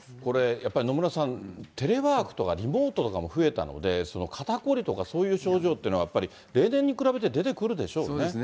やっぱり野村さん、テレワークとかリモートとかも増えたんで、肩凝りとかそういう症状っていうのは、例年に比べて出てくるでしそうですね。